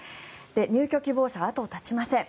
入居希望者は後を絶ちません。